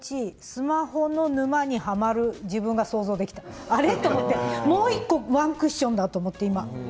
スマホの沼にはまる自分が想像できて、あれ、と思ってもう１個ワンクッションだと思って。